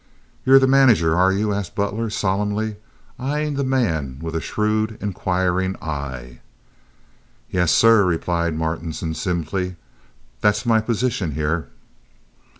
"You're the manager, are you?" asked Butler, solemnly, eyeing the man with a shrewd, inquiring eye. "Yes, sir," replied Martinson, simply. "That's my position here."